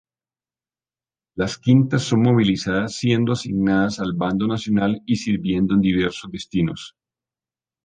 Las quintas son movilizadas siendo asignadas al bando nacional y sirviendo en diversos destinos.